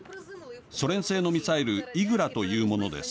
ソ連製のミサイルイグラというものです。